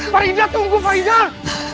faridah tunggu faridah